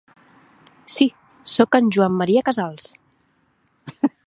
Sí, soc en Joan Maria Casals.